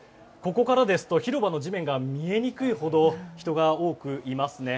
ここからですと広場の地面が見えにくいほど人が多くいますね。